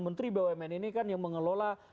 menteri bumn ini kan yang mengelola